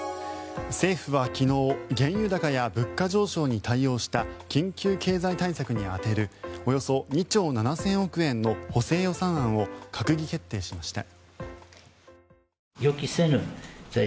政府は昨日原油高や物価上昇に対応した緊急経済対策に充てるおよそ２兆７０００億円の補正予算案を閣議決定しました。